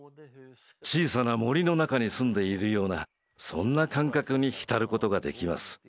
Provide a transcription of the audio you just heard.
小さな森の中に住んでいるようなそんな感覚に浸ることができます。